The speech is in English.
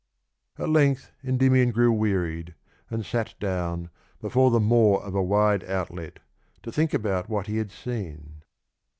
At length Endymion grew wearied and sat down " before the maw of a wide outlet " to think about what he had seen.